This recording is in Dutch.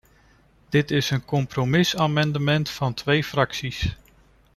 Dit is een compromisamendement van twee fracties.